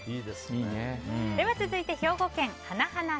続いて、兵庫県の方。